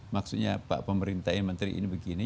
maksudnya pak pemerintah ini menteri ini begini